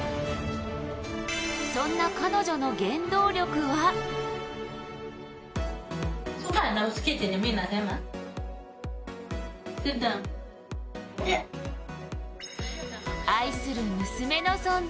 そんな彼女の原動力は愛する娘の存在。